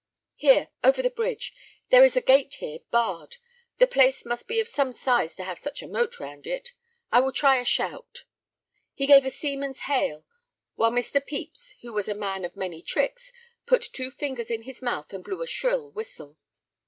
"Here, over the bridge. There is a gate here, barred. The place must be of some size to have such a moat round it. I will try a shout." He gave a seaman's hail, while Mr. Pepys, who was a man of many tricks, put two fingers in his mouth and blew a shrill whistle.